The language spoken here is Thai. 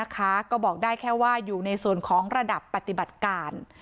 ก็บอกได้แค่ว่าอยู่ในส่วนของระดับปฏิบัติการ